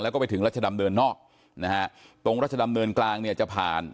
แล้วก็ไปถึงรัชดำเนินนอกนะฮะตรงรัชดำเนินกลางเนี่ยจะผ่าน